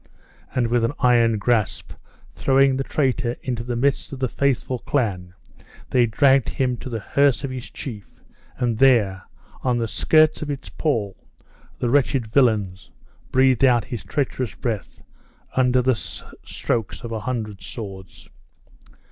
and with an iron grasp, throwing the traitor into the midst of the faithful clan, they dragged him to the hearse of their chief, and there, on the skirts of its pall, the wretched villain breathed out his treacherous breath, under the strokes of a hundred swords.